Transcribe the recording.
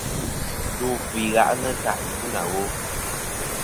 Ndo àfɨ i ghaʼnɨ kaʼ yì bu nà wo.